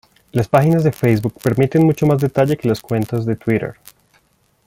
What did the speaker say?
Las páginas de Facebook permiten mucho más detalle que las cuentas de "Twitter".